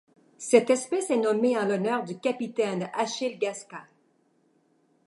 Cette espèce est nommée en l'honneur du capitaine Achille Gasca.